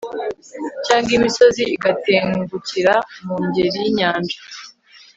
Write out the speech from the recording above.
cyangwa imisozi igatengukira mu ngeri y'inyanja